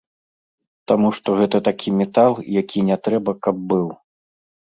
Таму што гэта такі метал, які не трэба, каб быў.